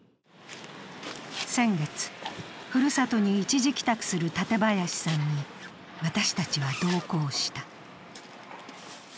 先月、ふるさとに一時帰宅する舘林さんに私たちは同行した。